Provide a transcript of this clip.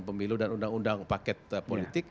pemilu dan undang undang paket politik